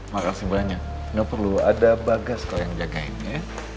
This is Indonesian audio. makasih banyak gak perlu ada mbak gas kalau yang ngejagain ya